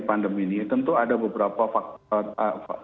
pandemi ini tentu ada beberapa faktor